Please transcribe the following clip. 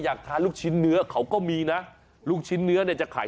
อยากทานลูกชิ้นเนื้อเขาก็มีนะลูกชิ้นเนื้อเนี่ยจะขาย